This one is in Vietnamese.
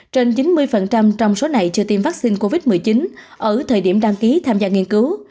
trên chín mươi trong số này chưa tiêm vaccine covid một mươi chín ở thời điểm đăng ký tham gia nghiên cứu